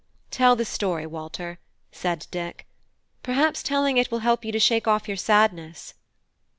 "Tell us the story, Walter," said Dick; "perhaps telling it will help you to shake off your sadness."